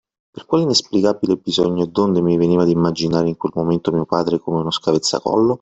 Per quale inesplicabile bisogno e donde mi veniva d'immaginare in quel momento mio padre, come uno scavezzacollo?